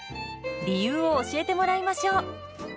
理由を教えてもらいましょう。